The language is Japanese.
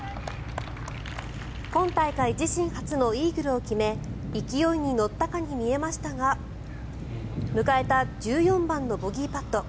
今大会自身初のイーグルを決め勢いに乗ったかに見えましたが迎えた１４番のボギーパット。